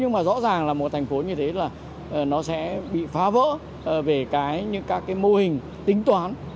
nhưng mà rõ ràng là một thành phố như thế là nó sẽ bị phá vỡ về những các cái mô hình tính toán